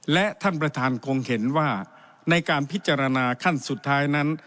และท่านประธานคงเห็นว่าในการพิจารณาขั้นสุดท้ายนั้น